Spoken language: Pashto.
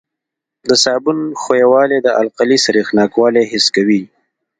د صابون ښویوالی د القلي سریښناکوالی حس کوي.